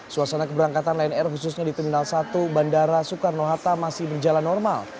suasana keberangkatan lion air khususnya di terminal satu bandara soekarno hatta masih berjalan normal